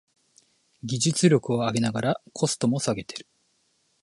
技術力を上げながらコストも下げてる